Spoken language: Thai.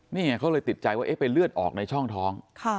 นี่ไงเขาเลยติดใจว่าไปเลือดออกในช่องท้อง